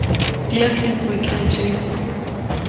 Glasi ya kuwekea juisi